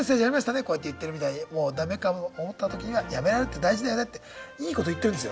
こうやって言ってるみたいに「もうダメかも思った時にはやめられるって大事だよね」っていいこと言ってるんですよ。